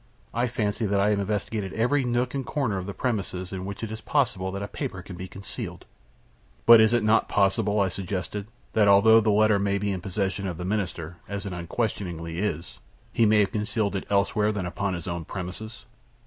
I fancy that I have investigated every nook and corner of the premises in which it is possible that the paper can be concealed." "But is it not possible," I suggested, "that although the letter may be in the possession of the Minister, as it unquestionably is, he may have concealed it elsewhere than upon his own premises?"